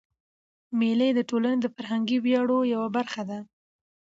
مېلې د ټولني د فرهنګي ویاړو یوه برخه ده.